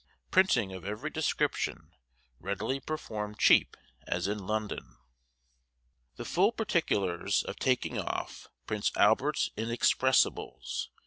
Printing of every description readily performed cheap as in London. THE FULL PARTICULARS OF "TAKING OFF" PRINCE ALBERT'S INEXPESSIBLES.